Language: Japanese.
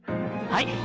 はい！